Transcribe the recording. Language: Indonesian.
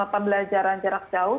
pembelajaran jarak jauh